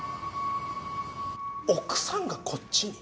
奥さんがこっちに？